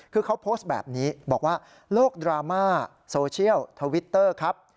คือเขาโพสต์แบบนี้บอกว่าโลกดราม่าโซเชียลทวิตเตอร์ครับ